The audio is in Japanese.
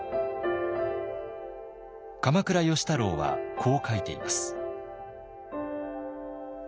鎌倉芳太郎はこう書いています。